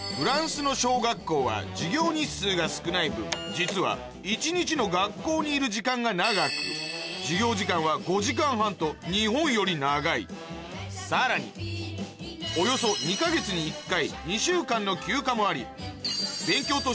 実は一日の学校にいる時間が長く授業時間は５時間半と日本より長いさらにおよそだからさこう。